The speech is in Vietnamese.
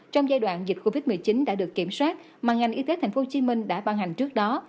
trong giai đoạn dịch covid một mươi chín đã được kiểm soát mà ngành y tế tp hcm đã ban hành trước đó